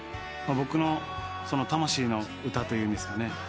僕の魂の歌というんですかね。